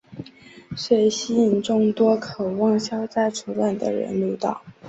遂吸收众多渴望消灾除难的人入道。